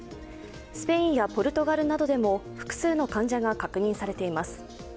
スペインやポルトガルなどでも複数の患者が確認されています。